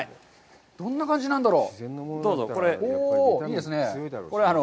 どんな感じなんだろう。